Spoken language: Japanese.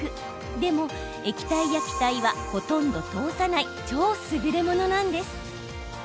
でも、液体や気体はほとんど通さない超すぐれものなんです。